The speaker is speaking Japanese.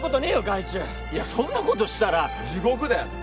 外注いやそんなことしたら地獄だよ